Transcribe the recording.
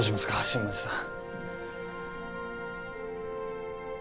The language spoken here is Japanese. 新町さん